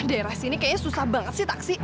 daerah sini kayaknya susah banget sih taksi